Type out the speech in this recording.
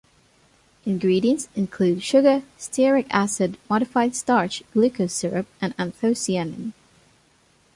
Ingredients include sugar, stearic acid, modified starch, glucose syrup, and anthocyanin.